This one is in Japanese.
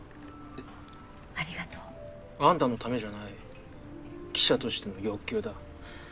ありがとう。あんたの為じゃない記者としての欲求だ。